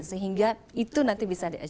sehingga itu nanti bisa diakse